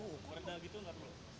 verda gitu nggak perlu